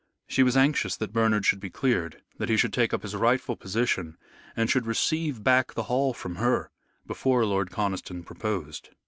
She was anxious that Bernard should be cleared, that he should take up his rightful position, and should receive back the Hall from her, before Lord Conniston proposed.